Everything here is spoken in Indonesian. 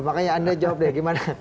makanya anda jawab deh gimana